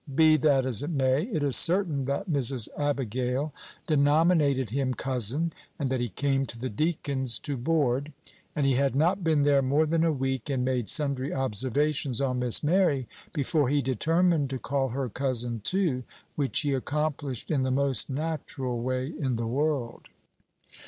Be that as it may, it is certain that Mrs. Abigail denominated him cousin, and that he came to the deacon's to board; and he had not been there more than a week, and made sundry observations on Miss Mary, before he determined to call her cousin too, which he accomplished in the most natural way in the world.